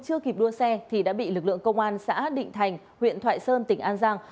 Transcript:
chưa kịp đua xe thì đã bị lực lượng công an xã định thành huyện thoại sơn tỉnh an giang